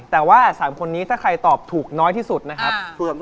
แต่ว่า๓คนนี้ถ้าใครตอบถูกน้อยที่สุดนะครับ